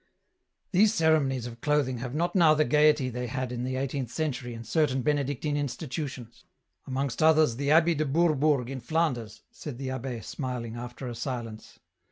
" These ceremonies of clothing have not now the gaiety they had in the eighteenth century in certain Benedictine EN ROUTE. lOI institutions, amongst others the Abbey de Bourbourg in Flanders," said the abbe smiling, after a silence.